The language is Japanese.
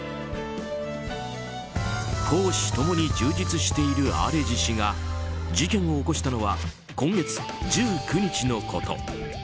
公私ともに充実しているアレジ氏が事件を起こしたのは今月１９日のこと。